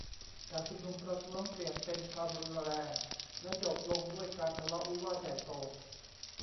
การชุมนุมประท้วงเปลี่ยนเป็นความรุนแรง และจบลงด้วยการทะเลาะวิวาทใหญ่โต